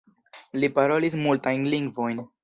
Li parolis multajn lingvojn.